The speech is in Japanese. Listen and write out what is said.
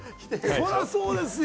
そりゃそうですよ！